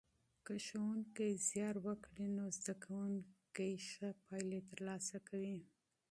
که ښوونکی محنت وکړي، نو زده کوونکې مثبتې پایلې ترلاسه کوي.